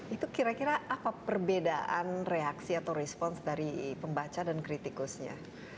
itu kira kira apa perbedaan reaksi atau respons dari pembaca dan kritikusnya